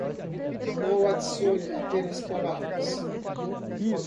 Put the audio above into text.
Não adicione apenas palavras